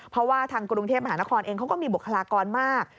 เพราะว่าทางกรุงเทพมหานครเองเขาก็มีบุคลากรมาก